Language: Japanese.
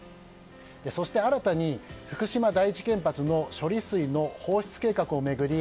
そして、新たに福島第一原発の処理水の放出計画を巡り